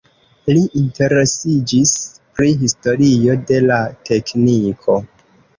Li interesiĝis pri historio de la tekniko.